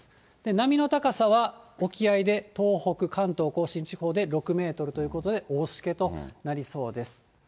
波の高さは沖合で東北、関東甲信地方で６メートルということで、大しけとなりそうです。